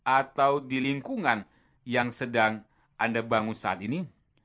atau di lingkungan yang sedang anda bangun saat ini